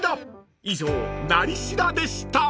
［以上「なり調」でした］